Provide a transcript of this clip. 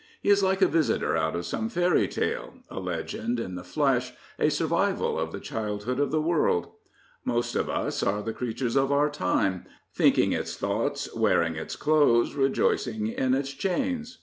He is like a visitor out of some fairy tale, a legend in the flesh, a survival of the childhood of the world. Most of us are the creatures of our time, thinking its thoughts, wearing its clothes, rejoicing in its chains.